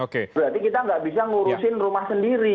berarti kita nggak bisa ngurusin rumah sendiri